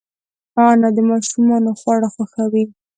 انا د ماشومانو خواړه خوښوي